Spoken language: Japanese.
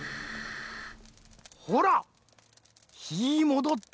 ほらひもどった。